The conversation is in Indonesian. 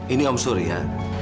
ini om surya